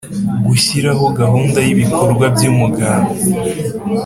Gushyiraho gahunda y ibikorwa by’umuganda